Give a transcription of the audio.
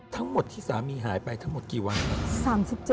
ทั้งหมดที่สามีหายไปทั้งหมดกี่วัน